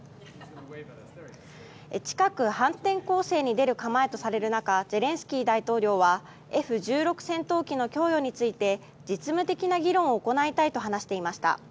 近く反転攻勢に出る構えとされる中ゼレンスキー大統領はＦ１６戦闘機の供与について実務的な議論を行いたいと話していました。